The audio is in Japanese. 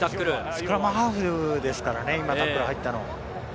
スクラムハーフですからね、今タックルに入ったの。